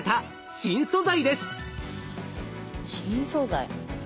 新素材。